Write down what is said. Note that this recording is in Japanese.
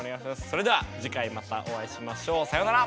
それでは次回またお会いしましょう。さようなら！